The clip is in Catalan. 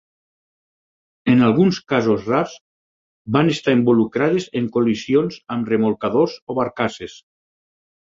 En alguns casos rars, van estar involucrades en col·lisions amb remolcadors o barcasses.